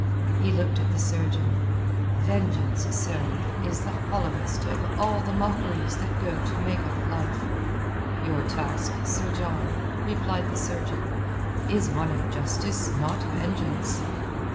He looked at the surgeon. "Vengeance, sir, is the hollowest of all the mockeries that go to make up life." "Your task, Sir John," replied the surgeon, "is one of justice, not vengeance."